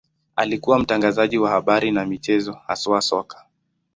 Alikuwa mtangazaji wa habari na michezo, haswa soka.